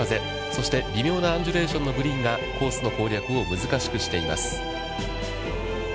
そして、微妙なアンジュレーションのグリーンが、コースの攻略を難しくしています。